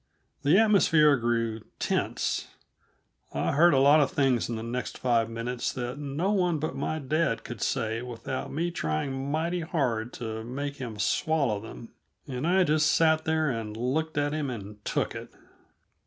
The atmosphere grew tense. I heard a lot of things in the next five minutes that no one but my dad could say without me trying mighty hard to make him swallow them. And I just sat there and looked at him and took it.